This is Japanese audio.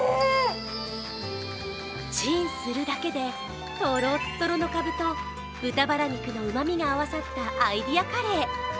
チンするだけでトロットロのかぶと豚バラ肉のうまみが合わさったアイデアカレー。